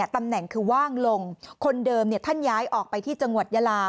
ตำแหน่งคือว่างลงคนเดิมท่านย้ายออกไปที่จังหวัดยาลา